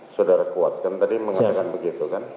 saudara kuat kan tadi mengatakan begitu kan